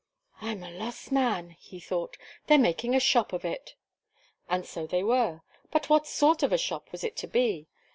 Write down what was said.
"I'm a lost man," he thought, "they're making a shop of it." And so they were, but what sort of a shop was it to be?